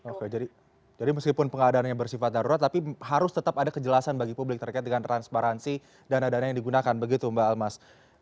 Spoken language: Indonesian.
oke jadi meskipun pengadaannya bersifat darurat tapi harus tetap ada kejelasan bagi publik terkait dengan transparansi dana dana yang digunakan begitu mbak almas